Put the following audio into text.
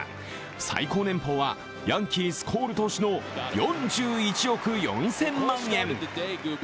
最高年俸は、ヤンキースコール投手の４１億４０００万円。